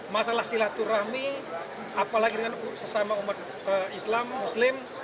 masalah silaturahmi apalagi dengan sesama umat islam muslim